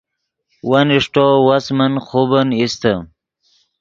ون اݰٹو وس من خوبن ایستے